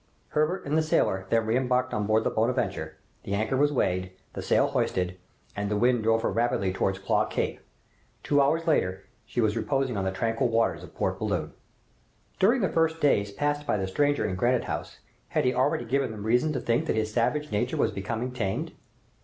Herbert and the sailor then re embarked on board the "Bonadventure," the anchor was weighed, the sail hoisted, and the wind drove her rapidly towards Claw Cape. Two hours after, she was reposing on the tranquil waters of Port Balloon. During the first days passed by the stranger in Granite House, had he already given them reason to think that his savage nature was becoming tamed?